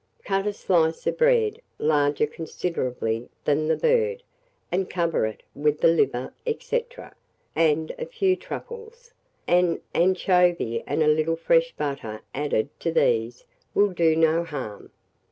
Cut a slice of bread, larger considerably than the bird, and cover it with the liver, &c., and a few truffles: an anchovy and a little fresh butter added to these will do no harm.